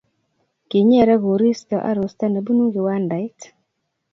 kinyere koristo arusta ne bunu kiwandaik